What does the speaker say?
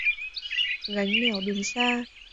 Gánh nẻo đường xa